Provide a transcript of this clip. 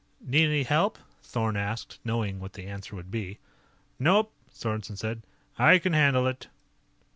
"Need any help?" Thorn asked, knowing what the answer would be. "Nope," Sorensen said. "I can handle it."